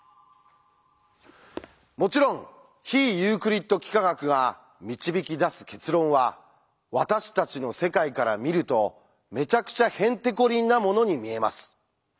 もちろん非ユークリッド幾何学が導き出す結論は私たちの世界から見るとめちゃくちゃへんてこりんなものに見えます。